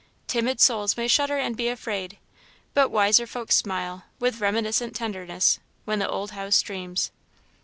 Timid souls may shudder and be afraid, but wiser folk smile, with reminiscent tenderness, when the old house dreams.